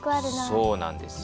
そうなんです。